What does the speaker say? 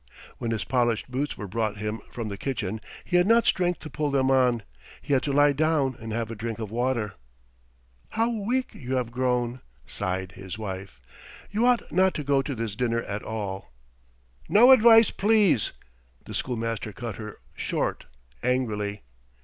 When his polished boots were brought him from the kitchen he had not strength to pull them on. He had to lie down and have a drink of water. "How weak you have grown!" sighed his wife. "You ought not to go to this dinner at all." "No advice, please!" the schoolmaster cut her short angrily.